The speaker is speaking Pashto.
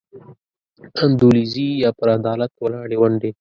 انډولیزي یا پر عدالت ولاړې ونډې.